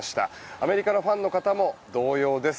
アメリカのファンの方も同様です。